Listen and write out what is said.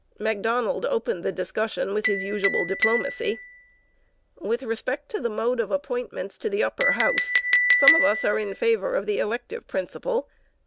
Macdonald opened the discussion with his usual diplomacy: With respect to the mode of appointments to the Upper House, some of us are in favour of the elective principle.